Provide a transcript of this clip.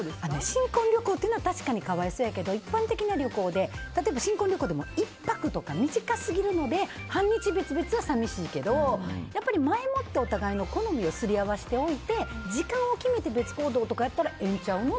新婚旅行は確かに可哀想やけど一般的な旅行で、新婚旅行でも１泊とか短いもので半日別々は寂しいけど前もってお互いの好みをすり合わせておいて時間を決めて別行動やったらええんちゃうの？